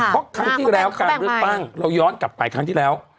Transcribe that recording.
เพราะครั้งที่แล้วการเลือกตั้งเราย้อนกลับไปครั้งที่แล้ว